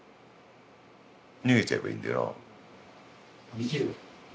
逃げる？